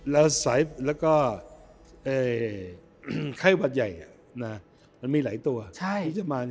แล้วไข้วัดใหญ่มันมีหลายตัวที่จะมา